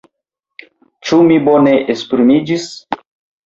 Ĉu mi bone esprimiĝis?